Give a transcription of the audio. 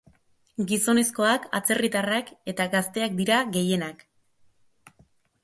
Gizonezkoak, atzerritarrak eta gazteak dira gehienak.